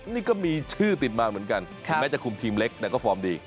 นี่ก็มีชื่อติดมาเหมือนกันแม้จะคุมทีมเล็กแต่ก็ฟอร์มดี